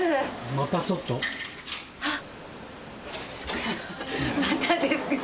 またちょっと。